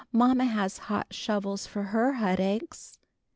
Mamma has hot shovels for her headaches."